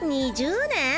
２０年？